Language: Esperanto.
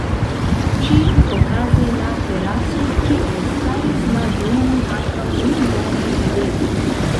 Ĉiuokaze la terasoj kie staris la domoj ankaŭ nun bone videblis.